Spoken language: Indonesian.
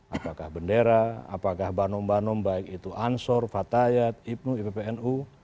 apakah bendera apakah banum banum baik itu ansor fatayat ibnu ippnu